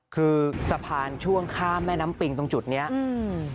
คือสะพานช่วงข้ามแม่น้ำปิงตรงจุดเนี้ยอืม